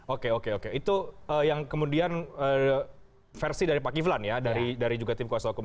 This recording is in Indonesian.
oke oke oke itu yang kemudian versi dari pak kiflan ya dari juga tim kuasa hukum